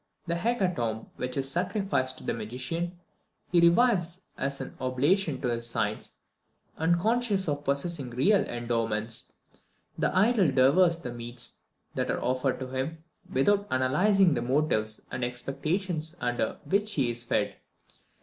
The hecatomb which is sacrificed to the magician, he receives as an oblation to his science, and conscious of possessing real endowments, the idol devours the meats that are offered to him without analysing the motives and expectations under which he is fed.